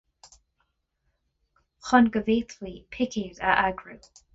Chun go bhféadfaí picéad a eagrú.